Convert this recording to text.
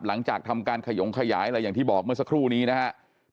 หลังจากทำการขยงขยายอะไรอย่างที่บอกเมื่อสักครู่นี้นะครับ